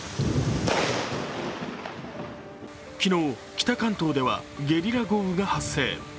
昨日、北関東ではゲリラ豪雨が発生。